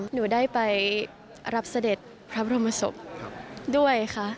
หนูได้ไปรับเสด็จพระบรมศพด้วยค่ะ